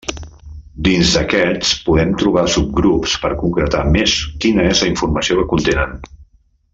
Dins d'aquests podem trobar subgrups per concretar més quina és la informació que contenen.